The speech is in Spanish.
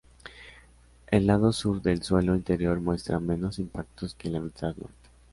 El lado sur del suelo interior muestra menos impactos que la mitad norte.